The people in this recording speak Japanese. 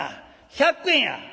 １００円や！」。